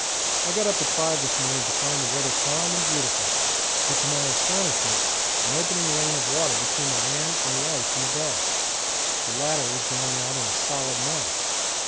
I got up at 5 this morning to find the weather calm and beautiful, but to my astonishment an opening lane of water between the land and the ice in the bay. The latter was going out in a solid mass.